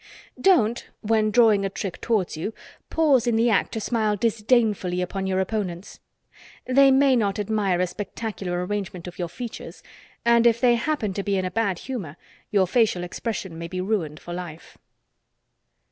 Don't, when drawing a trick towards you, pause in the act to smile disdainfully upon your opponents. They may not admire a spectacular arrangement of your features, and if they happen to be in a bad humor your facial expression may be ruined for life.